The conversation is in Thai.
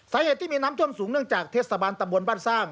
สาเหตุที่มีน้ำท่วมสูงเนื่องจากเทศบาลตำบลบ้านสร้าง